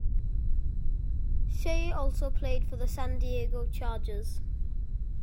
Shea also played for the San Diego Chargers.